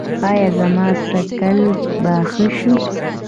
ایا زما څکل به ښه شي؟